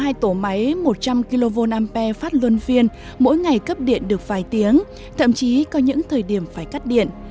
có hai tổ máy một trăm linh kva phát luân phiên mỗi ngày cấp điện được vài tiếng thậm chí có những thời điểm phải cắt điện